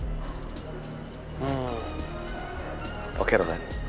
kalau dia lihat boy jalan sama cewek lain